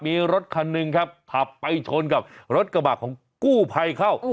มีรถคันหนึ่งครับขับไปชนกับรถกระบะของกู้ภัยเข้า